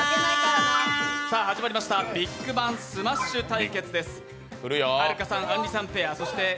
始まりましたビッグバンスマッシュ対決です。